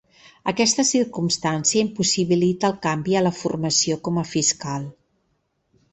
Aquesta circumstància impossibilita el canvi a la formació com a fiscal.